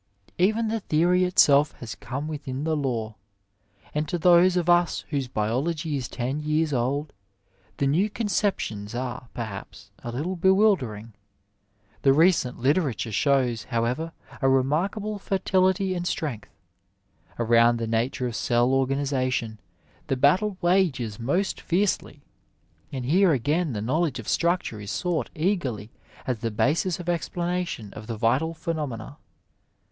Even the theory itself has come within the law ; and to those of us whose biology is ten years old, the new concep tions are, perhaps, a little bewildering. The recent litera ture shows, however, a remarkable fertility and strength. Around the nature of cell organization the battle wages most fiercely, and here again the knowledge of structure is sought eagerly as the basis of explanation of the vital phenomena.